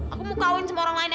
aku mau kawin sama orang lain